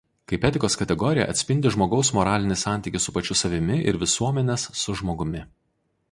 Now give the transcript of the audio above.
Kaip etikos kategorija atspindi žmogaus moralinį santykį su pačiu savimi ir visuomenės su žmogumi.